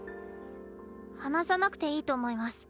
話さなくていいと思います。